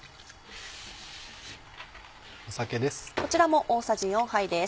酒です。